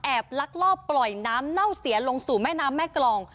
ลักลอบปล่อยน้ำเน่าเสียลงสู่แม่น้ำแม่กรอง